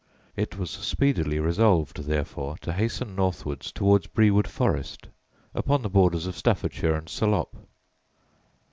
It was speedily resolved, therefore, to hasten northwards towards Brewood Forest, upon the borders of Staffordshire and Salop.